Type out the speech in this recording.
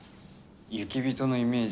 雪人のイメージ。